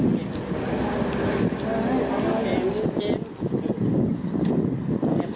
พ่อพ่อ